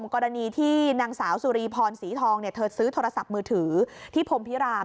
กรณีที่นางสาวสุรีพรศรีทองเธอซื้อโทรศัพท์มือถือที่พรมพิราม